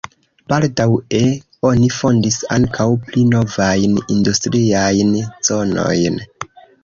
Baldaŭe oni fondis ankaŭ pli novajn industriajn zonojn.